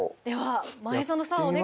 では前園さん